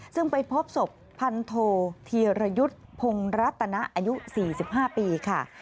ซึ่งไปพบศพพันโทธีรยุทธ์พงรัตนะอายุ๔๕ปีค่ะ